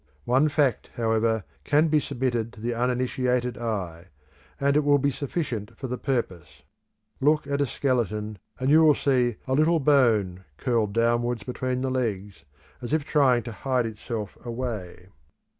One fact, however, can be submitted to the uninitiated eye, and it will be sufficient for the purpose. Look at a skeleton and you will see a little bone curled downwards between the legs, as if trying to hide itself away.